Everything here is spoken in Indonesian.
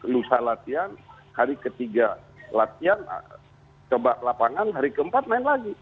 lusa latihan hari ketiga latihan coba lapangan hari keempat main lagi